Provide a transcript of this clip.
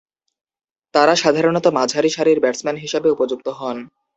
তারা সাধারণতঃ মাঝারি সারির ব্যাটসম্যান হিসেবে উপযুক্ত হন।